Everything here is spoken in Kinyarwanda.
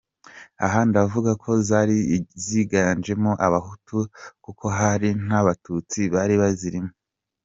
Aha ndavuga ko zari ziganjemo abahutu, kuko hari n’abatutsi bari bazirimo.